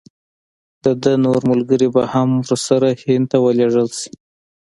د ده نور ملګري به هم ورسره هند ته ولېږل شي.